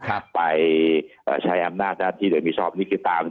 ท่านรองโฆษกครับ